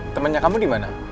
temennya kamu dimana